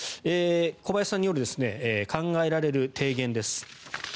小林さんによる考えられる提言です。